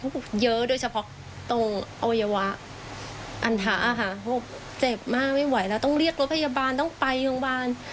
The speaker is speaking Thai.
เพราะว่าเจ็บมากไม่ไหวแล้วต้องเรียกรถพยาบาลต้องไปทางบ้าน